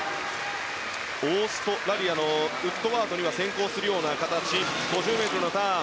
オーストラリアのウッドワードに先行するような形で５０ｍのターン。